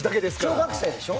小学生でしょ？